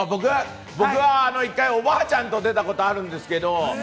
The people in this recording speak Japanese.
僕は一回おばあちゃんと出たことあるんですけど。